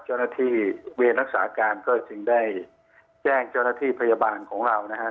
เจ้าหน้าที่เวรรักษาการก็จึงได้แจ้งเจ้าหน้าที่พยาบาลของเรานะฮะ